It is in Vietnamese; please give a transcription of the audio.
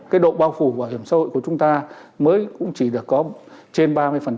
cái độ bao phủ bảo hiểm xã hội của chúng ta mới cũng chỉ được có trên ba mươi